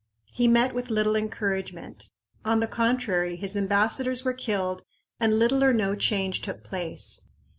He met with little encouragement. On the contrary, his ambassadors were killed and little or no change took place.